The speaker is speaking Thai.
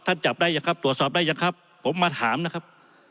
ท่านจับได้ไหมครับตรวจสอบได้ไหมครับผมมาถามนะครับ